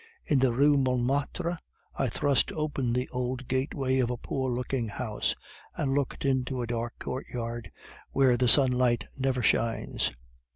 In the Rue Montmartre I thrust open the old gateway of a poor looking house, and looked into a dark courtyard where the sunlight never shines.